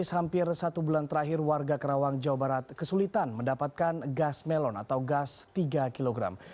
hampir satu bulan terakhir warga kerawang jawa barat kesulitan mendapatkan gas melon atau gas tiga kg